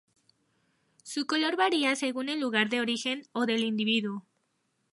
Su color varia según el lugar de origen o del individuo.